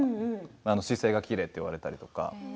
姿勢がきれいと言われたりとか。